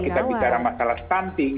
jadi kalau kita bicara masalah stunting